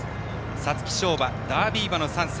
皐月賞馬、ダービー場の参戦。